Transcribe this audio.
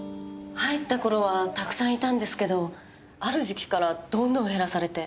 入った頃はたくさんいたんですけどある時期からどんどん減らされて。